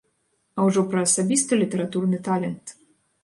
А ўжо пра асабісты літаратурны талент.